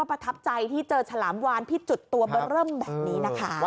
ประทับใจที่เจอฉลามวานที่จุดตัวเบอร์เริ่มแบบนี้นะคะ